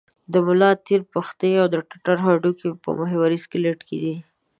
د ملا تیر، پښتۍ او د ټټر هډوکي هم په محوري سکلېټ کې دي.